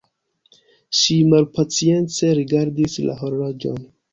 Ŝi malpacience rigardis la horloĝon.